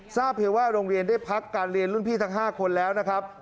เพียงว่าโรงเรียนได้พักการเรียนรุ่นพี่ทั้ง๕คนแล้วนะครับ